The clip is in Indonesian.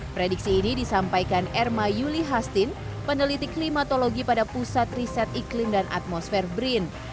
prediksi ini disampaikan erma yuli hastin peneliti klimatologi pada pusat riset iklim dan atmosfer brin